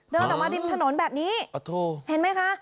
เดินออกมาริมถนนแบบนี้เห็นไหมคะ